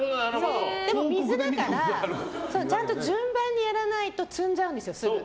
でも水だからちゃんと順番にやらないと詰んじゃうんです、すぐ。